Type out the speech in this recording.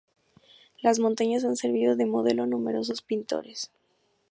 Las montañas han servido de modelo a numerosos pintores.